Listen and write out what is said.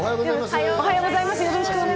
おはようございます。